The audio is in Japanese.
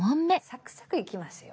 サクサクいきますよ。